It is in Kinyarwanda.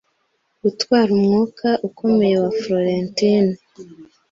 Gutwara umwuka ukomeye wa Florentine